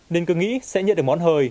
nên cứ nghĩ sẽ nhận được món hời